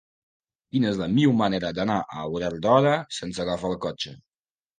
Quina és la millor manera d'anar a Olèrdola sense agafar el cotxe?